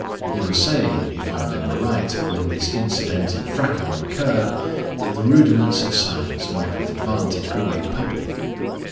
You were saying, if I remember right, when this incidental fracas occurred, that the rudiments of science might with advantage be made public."